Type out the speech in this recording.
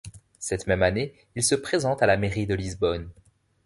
Cette même année, il se présente à la mairie de Lisbonne.